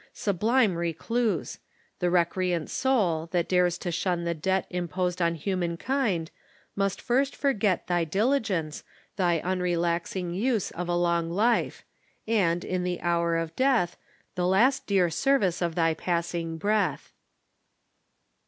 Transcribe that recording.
Sublime liecluse ! The recreant soul, that dares to shun the debt Imposed on human kind, must first forget Thy diligence, thy unrelaxiug use Of a long life ; and, in the hour of death. The last dear service of thy passing breath."